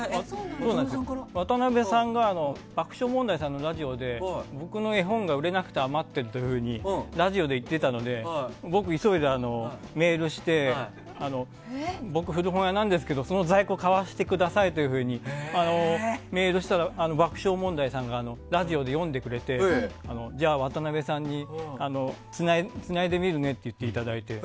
渡辺さんが爆笑問題さんのラジオで僕の絵本が売れなくて余ってるというふうにラジオで言ってたので僕、急いでメールして僕、古本屋なんですけどその在庫を買わせてくださいとメールしたら爆笑問題さんがラジオで読んでくれてじゃあ、渡辺さんにつないでみるねって言っていただいて。